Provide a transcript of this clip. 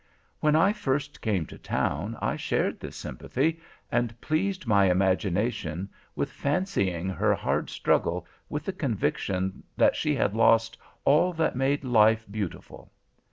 When I first came to town I shared this sympathy, and pleased my imagination with fancying her hard struggle with the conviction that she had lost all that made life beautiful.